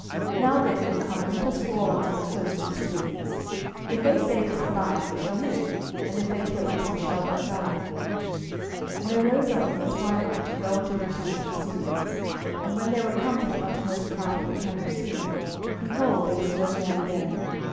Now therefore come, and let us fall unto the host of the Syrians: if they save us alive, we shall live; and if they kill us, we shall but die. 12:007:005 And they rose up in the twilight, to go unto the camp of the Syrians: and when they were come to the uttermost part of the camp of Syria, behold, there was no man there.